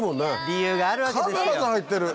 理由があるわけですよ。